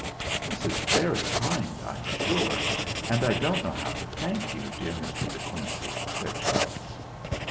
"This is very kind, I'm sure, and I don't know how to thank you, dear Mr. De Quincey," said Charles.